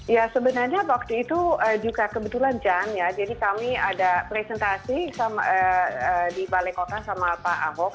ya sebenarnya waktu itu juga kebetulan jan ya jadi kami ada presentasi di balai kota sama pak ahok